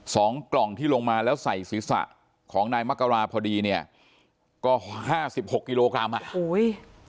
สองกล่องที่ลงมาแล้วใส่ศีรษะของนายมกราพอดีเนี่ยก็ห้าสิบหกกิโลกรัมอ่ะโอ้ย